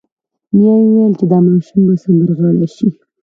نیا یې وویل چې دا ماشوم به سندرغاړی شي